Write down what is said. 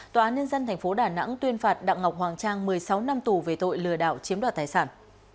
tòa án nhân dân tp đà nẵng tuyên phạt đặng ngọc hoàng trang một mươi sáu năm tù về tội lừa đảo chiếm đoạt tài sản